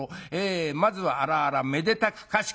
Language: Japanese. まずはあらあらめでたくかしこ』。